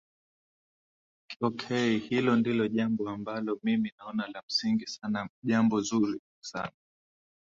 K hilo ndio jambo ambalo mimi naona la msingi sana jambo nzuri sana